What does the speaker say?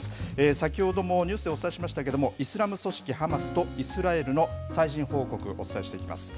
先ほどもニュースでお伝えしましたけれども、イスラム組織ハマスとイスラエルの最新報告、お伝えしていきます。